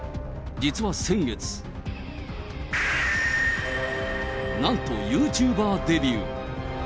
実は先月、なんと、ユーチューバーデビュー。